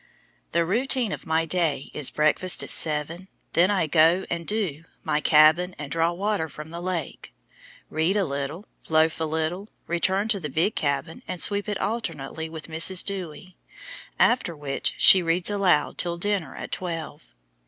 The routine of my day is breakfast at seven, then I go back and "do" my cabin and draw water from the lake, read a little, loaf a little, return to the big cabin and sweep it alternately with Mrs. Dewy, after which she reads aloud till dinner at twelve.